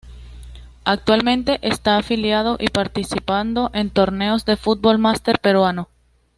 Actualmente está afiliado y participando en torneos de fútbol máster peruano.